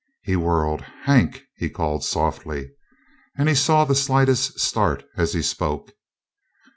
He whirled. "Hank!" he called softly. And he saw the slightest start as he spoke.